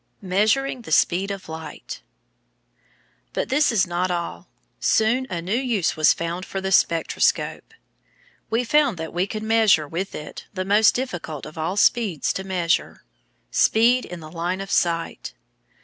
Measuring the Speed of Light But this is not all; soon a new use was found for the spectroscope. We found that we could measure with it the most difficult of all speeds to measure, speed in the line of sight.